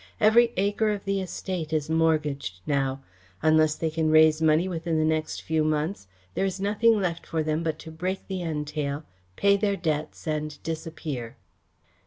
Every acre of the estate is mortgaged now. Unless they can raise money within the next few months there is nothing left for them but to break the entail, pay their debts and disappear."